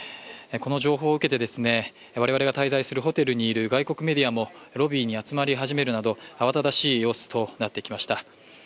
この情報を受けて我々が滞在するホテルにいる外国メディアもロビーに集まり始めるなど慌ただしい状況になってきました。